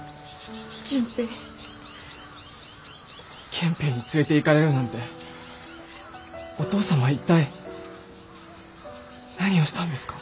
憲兵に連れていかれるなんてお父様は一体何をしたんですか？